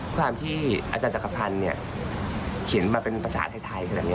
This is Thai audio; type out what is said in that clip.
ความที่อาจารย์จักรพันธ์เขียนมาเป็นภาษาไทยขนาดนี้